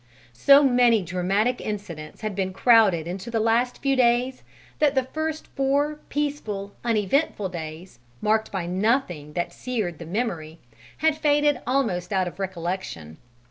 So many dramatic incidents had been crowded into the last few days that the first four peaceful, uneventful days, marked by nothing that seared the memory, had faded almost out of recollection.